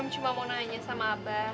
tentang mendapatkan jodohnya